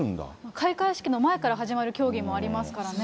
開会式の前から始まる競技もありますからね。